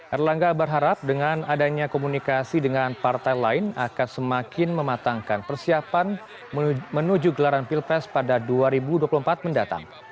erlangga berharap dengan adanya komunikasi dengan partai lain akan semakin mematangkan persiapan menuju gelaran pilpres pada dua ribu dua puluh empat mendatang